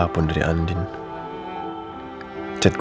apa batin mestilah wuih rekannya